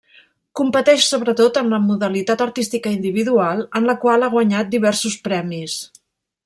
Competeix sobretot en la modalitat artística individual, en la qual ha guanyat diversos premis.